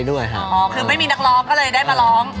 รู้จักไหม